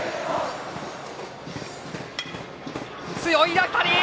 強い当たり！